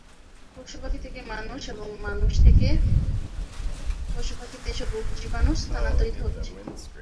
পশুপাখি থেকে মানুষ এবং মানুষ থেকে পশুপাখিতে এসব রোগজীবাণু স্থানান্তরিত হচ্ছে।